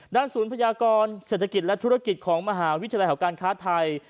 ศูนย์พยากรเศรษฐกิจและธุรกิจของมหาวิทยาลัยของการค้าไทย